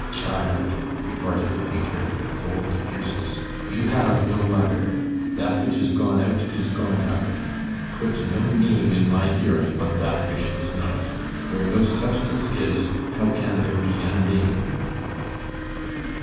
"Child!" retorted the painter with a cold fierceness, "you have no mother. That which is gone out is gone out. Put no name in my hearing on that which is not. Where no substance is, how can there be a name?"